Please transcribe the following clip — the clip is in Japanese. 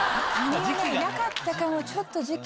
いなかったかもちょっと時期。